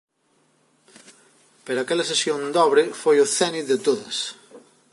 Pero aquela sesión dobre foi o cénit de todas.